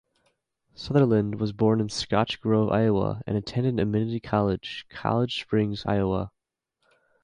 Sutherland was born in Scotch Grove, Iowa and attended Amity College, College Springs, Iowa.